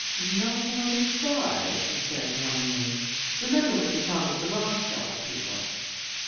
"Not more than five," he said warningly. "Remember what you promised the Rothschild people."